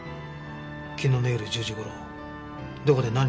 昨日の夜１０時頃どこで何してた？